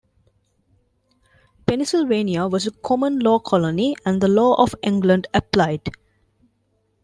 Pennsylvania was a common law colony and the law of England applied.